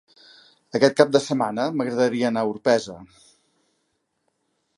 Aquest cap de setmana m'agradaria anar a Orpesa.